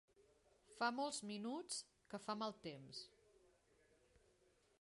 Fa molts minuts que fa mal temps.